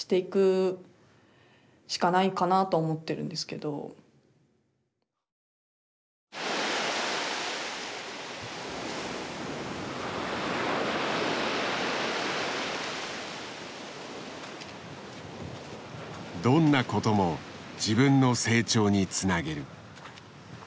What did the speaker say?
どんなことも自分の成長につなげる。